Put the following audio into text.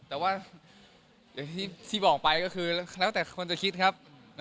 แต่ว่าอย่างที่บอกไปก็คือแล้วแต่คนจะคิดครับ